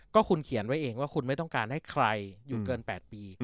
ก็คุณเขียนไว้เองว่าคุณไม่ต้องการให้ใครอยู่เกิน๘ปี